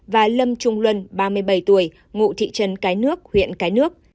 và lâm trung luân ba mươi bảy tuổi ngụ thị trấn cái nước huyện cái nước